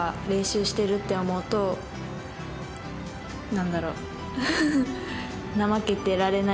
何だろう。